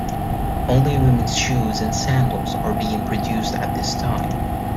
Only women's shoes and sandals are being produced at this time.